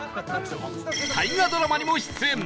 大河ドラマにも出演